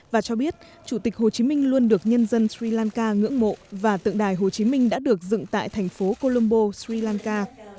và cho biết chủ tịch hồ chí minh luôn được nhân dân sri lanka ngưỡng mộ và tượng đài hồ chí minh đã được dựng tại thành phố colombo sri lanka